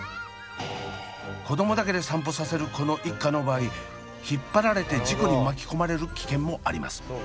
子どもだけで散歩させるこの一家の場合引っ張られて事故に巻き込まれる危険もあります。